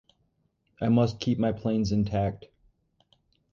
I must keep my planes intact.